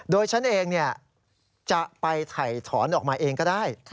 โดยฉันเองจะไปถ่ายถอนออกมาเองก็ได้